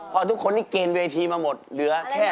พอทุกคนที่เกณฑ์เวทีมาหมดเหลือแค่